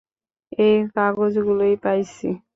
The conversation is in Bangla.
এই কাগজগুলোই পাইছি।